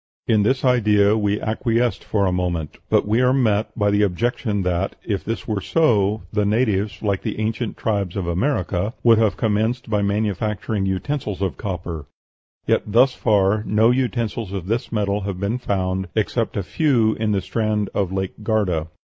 In this idea we acquiesced for a moment. But we are met by the objection that, if this were so, the natives, like the ancient tribes of America, would have commenced by manufacturing utensils of copper; yet thus far no utensils of this metal have been found except a few in the strand of Lake Garda.